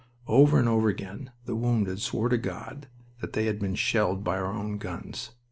Over and over again the wounded swore to God that they had been shelled by our own guns.